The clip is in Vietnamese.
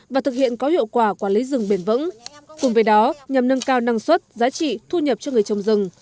và thực hiện có hiệu quả quản lý rừng bền vững cùng với đó nhằm nâng cao năng suất giá trị thu nhập cho người trồng rừng